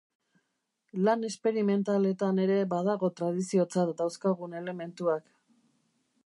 Lan esperimentaletan ere badago tradiziotzat dauzkagun elementuak.